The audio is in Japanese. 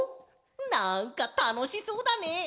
なんかたのしそうだね！